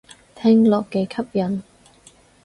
聽落幾吸引